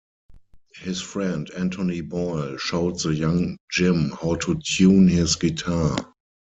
His friend Anthony Boyle showed the young Jim how to tune his guitar.